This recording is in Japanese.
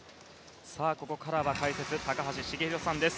ここからは解説高橋繁浩さんです。